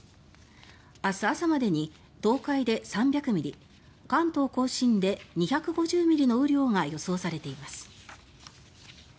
明日朝までに東海で３００ミリ関東・甲信で２５０ミリの雨量が予想されています。